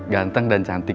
ganteng dan cantik